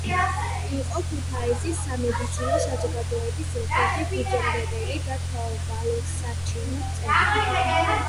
იყო ქუთაისის სამედიცინო საზოგადოების ერთ-ერთი ფუძემდებელი და თვალსაჩინო წევრი.